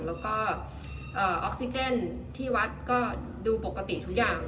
แล้วก็ออกซิเจนที่วัดก็ดูปกติทุกอย่าง